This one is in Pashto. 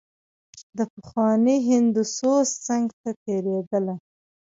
د پخواني هندو سوز څنګ ته تېرېدله.